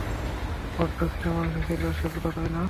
বড্ড ছেলেমানুষি ছিল সেগুলো, তাই না?